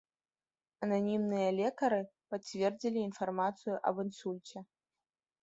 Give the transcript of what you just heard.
Ананімныя лекары пацвердзілі інфармацыю аб інсульце.